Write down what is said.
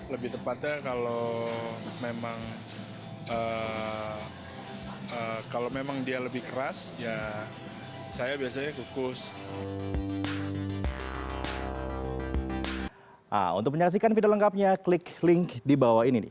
lebih tepatnya kalau memang dia lebih keras ya saya biasanya kukus